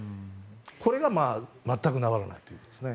これが全く直らないというんですね。